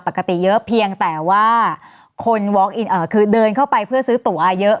ปกติเยอะเพียงแต่ว่าคนคือเดินเข้าไปเพื่อซื้อตัวเยอะ